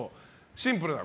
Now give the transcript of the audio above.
シンプルな。